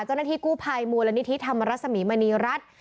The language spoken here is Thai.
เจ้าหน้าที่กู้ภัยมูลนิธิธรรมรสมีมณีรัฐ